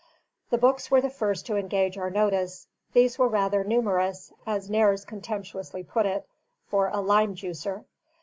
The books were the first to engage our notice. These were rather numerous (as Nares contemptuously put it) "for a lime juicer."